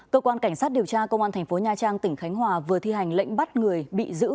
cơ quan cảnh sát điều tra công an thành phố nha trang tỉnh khánh hòa vừa thi hành lệnh bắt người bị giữ